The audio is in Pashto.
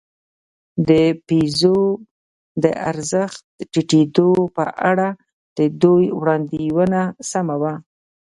د پیزو د ارزښت ټیټېدو په اړه د دوی وړاندوېنه سمه وه.